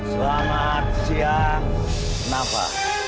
selamat siang nafa